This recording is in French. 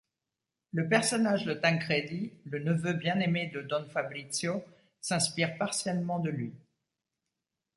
Le personnage de Tancredi, le neveu bien-aimé de don Fabrizio, s'inspire partiellement de lui.